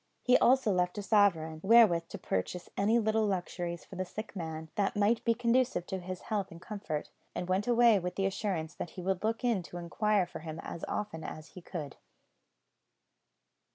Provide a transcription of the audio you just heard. He also left a sovereign, wherewith to purchase any little luxuries for the sick man, that might be conducive to his health and comfort, and went away with the assurance that he would look in to inquire for him as often as he could.